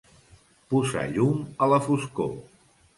Posar llum a la foscor.